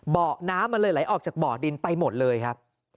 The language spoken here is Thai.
น้ำมันเลยไหลออกจากบ่อดินไปหมดเลยครับ